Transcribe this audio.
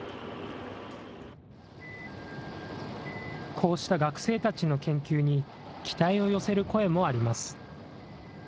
こうした学生たちの研究に、期待を寄せる声もあります。